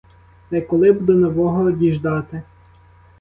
Та й коли б до нового діждати.